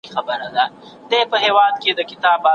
په نړیوالو غونډو کي د عامو افغانانو استازیتوب نه کیږي.